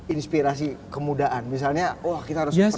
inspirasi kemudaan misalnya wah kita harus rekrut orang muda